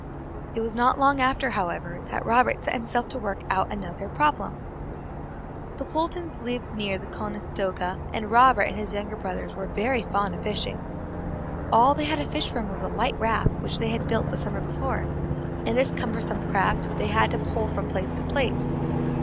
It was not long after, however, that Robert set himself to work out another problem. The Fultons lived near the Conestoga, and Robert and his younger brothers were very fond of fishing. All they had to fish from was a light raft which they had built the summer before, and this cumbersome craft they had to pole from place to place.